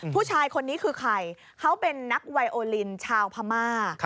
ผู้ชายคนนี้คือใครเขาเป็นนักไวโอลินชาวพม่า